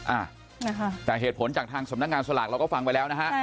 อ่านะคะแต่เหตุผลจากทางสำนักงานสลากเราก็ฟังไปแล้วนะฮะ